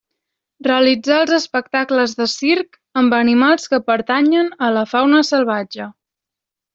Realitzar els espectacles de circ amb animals que pertanyen a la fauna salvatge.